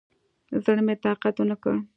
زړه مې طاقت ونکړ.